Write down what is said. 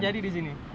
terjadi di sini